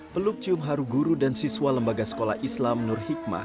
peluk cium haru guru dan siswa lembaga sekolah islam nur hikmah